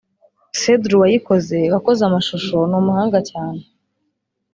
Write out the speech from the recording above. Cedru wayikoze(wakoze amashusho) ni umuhanga cyane